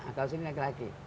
kalau di sini ke laki laki